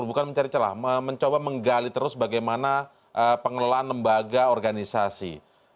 bukan mencari celah mencoba menggali terus bagaimana pengelolaan lembaga organisasi